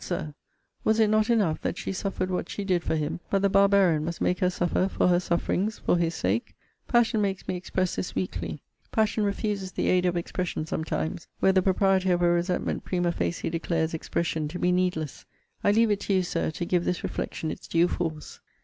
Sir, was it not enough that she suffered what she did for him, but the barbarian must make her suffer for her sufferings for his sake? Passion makes me express this weakly; passion refuses the aid of expression sometimes, where the propriety of a resentment prima facie declares expression to be needless. I leave it to you, Sir, to give this reflection its due force.